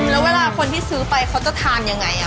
แล้วเวลาคนที่ซื้อไปเขาจะทานยังไง